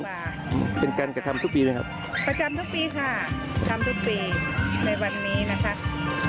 ประจำทุกปีค่ะทำทุกปีในวันนี้นะครับ